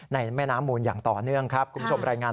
ในแม่น้ำมูลอย่างต่อเนื่องครับ